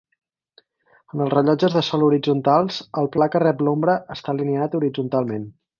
En els rellotges de sol horitzontals el pla que rep l'ombra està alineat horitzontalment.